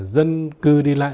dân cư đi lại